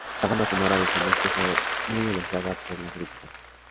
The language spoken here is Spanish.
La banda sonora de Celeste fue muy elogiada por la crítica.